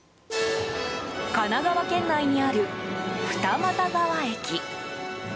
神奈川県内にある二俣川駅。